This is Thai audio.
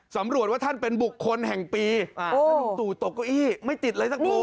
สำรวจว่าท่านเป็นบุคคลแห่งปีถ้าลุงตู่ตกเก้าอี้ไม่ติดอะไรสักครู่